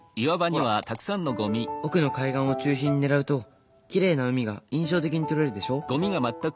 ほら奥の海岸を中心に狙うときれいな海が印象的に撮れるでしょ。